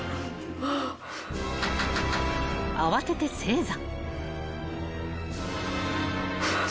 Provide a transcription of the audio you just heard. ［慌てて正座］